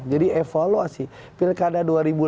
jadi evaluasi pilkada dua ribu delapan belas